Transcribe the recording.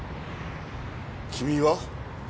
君は？